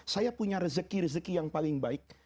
saya punya rezeki rezeki yang paling baik